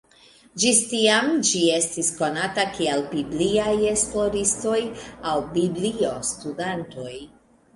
Ĝis tiam ĝi estis konata kiel "Bibliaj esploristoj" aŭ "Biblio-studantoj".